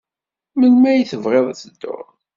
Melmi ay tebɣiḍ ad tedduḍ?